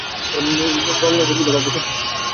গঙা, গোবিন্দ বাবু খুব খুশি।